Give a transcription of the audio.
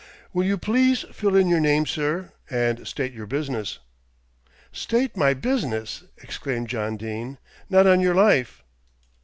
"Will you please fill in your name, sir, and state your business." "State my business," exclaimed John Dene, "not on your life."